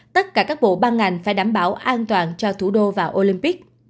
tất cả các bộ ban ngành phải đảm bảo an toàn cho thủ đô và olympic